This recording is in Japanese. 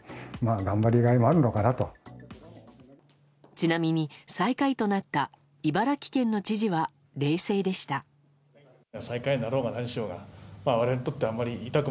ちなみに最下位となった茨城県の知事は冷静でした。